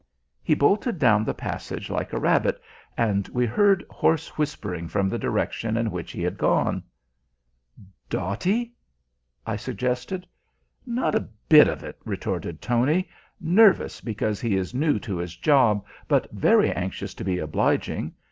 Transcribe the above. He bolted down the passage like a rabbit, and we heard hoarse whispering from the direction in which he had gone. "Dotty?" I suggested. "Not a bit of it," retorted Tony. "Nervous because he is new to his job, but very anxious to be obliging.